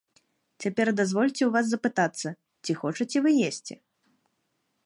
Цяпер дазвольце ў вас запытацца, ці хочаце вы есці.